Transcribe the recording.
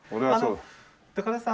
高田さん